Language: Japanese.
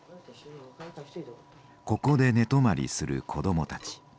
ここで寝泊まりする子どもたち。